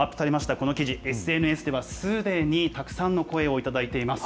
この記事、ＳＮＳではすでにたくさんの声を頂いています。